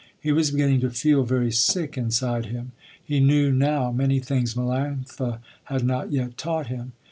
He was beginning to feel very sick inside him. He knew now many things Melanctha had not yet taught him.